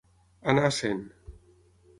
Anar a cent.